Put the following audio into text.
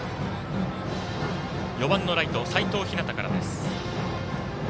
４番のライト、齋藤陽からです。